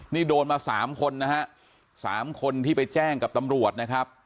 นี่โดนมา๓คนนะฮะสามคนที่ไปแจ้งกับตำรวจนะครับ